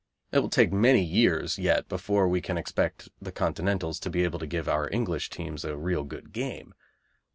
It will take many years yet before we can expect the Continentals to be able to give our English teams a real good game.